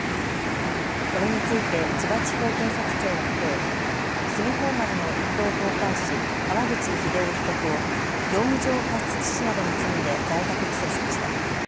これについて千葉地方検察庁はきょう、すみほう丸の１等航海士、川口秀雄被告を業務上過失致死などの罪で在宅起訴しました。